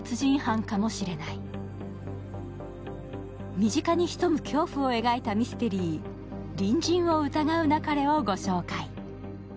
身近に潜む恐怖を描いたミステリー、「隣人を疑うなかれ」をご紹介。